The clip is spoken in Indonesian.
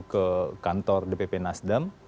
ke kantor dpp nasdam